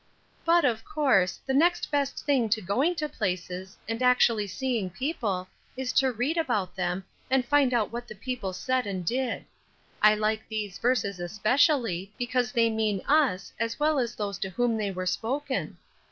"But, of course, the next best thing to going to places, and actually seeing people, is to read about them, and find out what the people said and did. I like these verses especially, because they mean us as well as those to whom they were spoken.